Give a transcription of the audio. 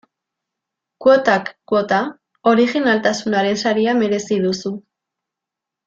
Kuotak kuota, orijinaltasunaren saria merezi duzu.